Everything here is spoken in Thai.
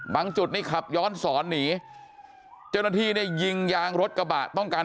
บางจุดขับย้อนสอนหนีเจ้าหน้าที่ยิงยางรถกระบะต้องการ